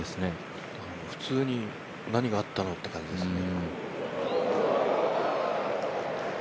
普通に何があったのという感じですね。